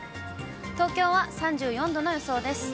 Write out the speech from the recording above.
東京は３４度の予想です。